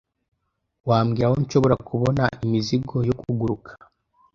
Wambwira aho nshobora kubona imizigo yo kuguruka